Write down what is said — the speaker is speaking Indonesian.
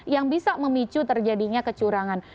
yang bisa memicu terjadinya kecurangan